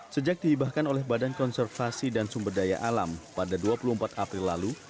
sejak dihibahkan oleh badan konservasi dan sumber daya alam pada dua puluh empat april lalu